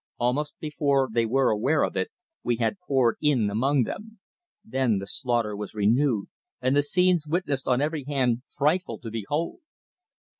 Almost before they were aware of it we had poured in among them. Then the slaughter was renewed, and the scenes witnessed on every hand frightful to behold.